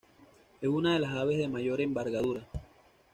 Es una de las aves de mayor envergadura.